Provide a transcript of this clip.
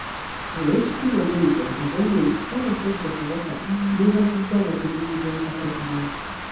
Oweekitiibwa Mayiga agambye nti Ssaabasajja Kabaka yeebazizza abategesi b'empaka zino